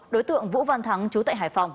đối tượng vũ văn thắng chú tại hải phòng